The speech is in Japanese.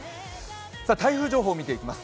台風情報を見ていきます。